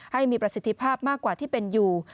ให้มีประสิทธิภาพมากกว่าที่เป็นอยู่